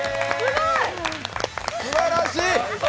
すばらしい！